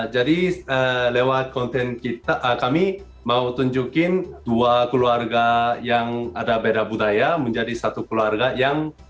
jadi lewat konten kami mau tunjukin dua keluarga yang ada beda budaya menjadi satu keluarga yang berbeda budaya